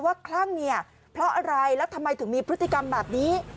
คลั่งเนี่ยเพราะอะไรแล้วทำไมถึงมีพฤติกรรมแบบนี้